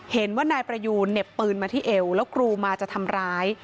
เห็นว่านายประยูนเหน็บปืนมาที่เอวแล้วกรูมาจะทำร้าย